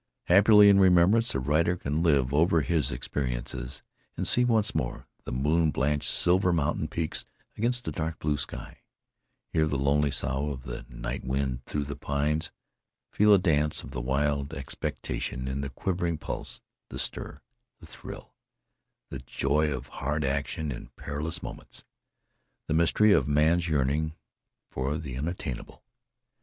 Happily in remembrance a writer can live over his experiences, and see once more the moonblanched silver mountain peaks against the dark blue sky; hear the lonely sough of the night wind through the pines; feel the dance of wild expectation in the quivering pulse; the stir, the thrill, the joy of hard action in perilous moments; the mystery of man's yearning for the unattainable.